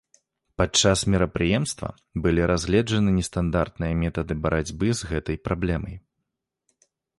Падчас мерапрыемства былі разгледжаны нестандартныя метады барацьбы з гэтай праблемай.